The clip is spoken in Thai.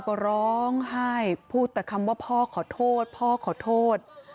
ก็ร้องไห้พูดแต่คำว่าพ่อขอโทษพ่อขอโทษ